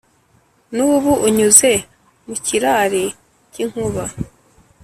n’ubu unyuze mu kirari k’inkuba